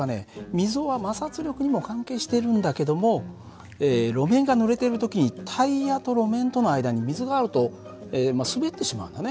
溝は摩擦力にも関係してるんだけども路面がぬれてる時にタイヤと路面との間に水があると滑ってしまうんだね。